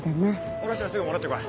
降ろしたらすぐ戻ってこい。